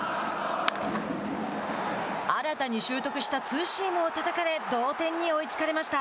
新たに習得したツーシームをたたかれ同点に追いつかれました。